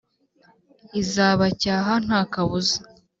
Izabacyaha nta kabuza